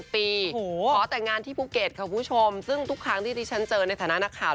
ขอแต่งงานที่ภูเก็ตค่ะคุณผู้ชมซึ่งทุกครั้งที่ที่ฉันเจอในฐานะนักข่าว